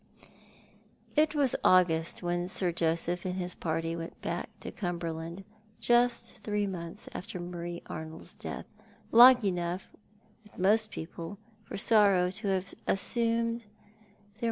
It was August when Sir Joseph and his party went back to Cumberland— just three months after Marie Arnold's death — long enough with most people for sorrow to have assumed that 172 TJioii art the Man.